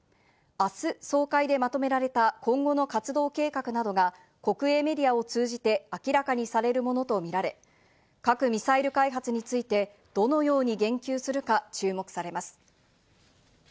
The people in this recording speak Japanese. あす、総会でまとめられた今後の活動計画などが、国営メディアを通じて明らかにされるものと見られ、核・ミサイル開発について、どのように言及するか、注目されます。